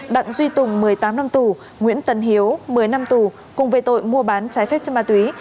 đặng duy tùng một mươi tám năm tù nguyễn tân hiếu một mươi năm tù cùng về tội mua bán trái phép chất ma túy